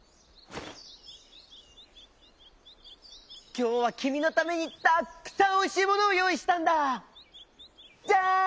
「きょうはきみのためにたっくさんおいしいものをよういしたんだ！じゃん！」。